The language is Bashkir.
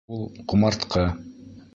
Ул... ҡомартҡы!